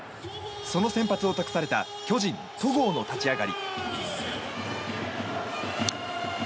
その先発を託された巨人、戸郷の立ち上がり。